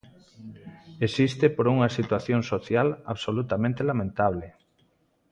Existe por unha situación social absolutamente lamentable.